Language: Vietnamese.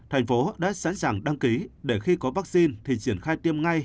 thành phố đã sẵn sàng đăng ký để khi có vaccine thì triển khai tiêm ngay